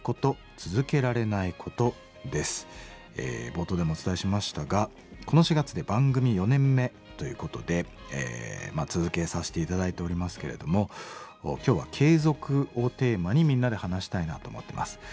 冒頭でもお伝えしましたがこの４月で番組４年目ということで続けさせて頂いておりますけれども今日は「継続」をテーマにみんなで話したいなと思ってます。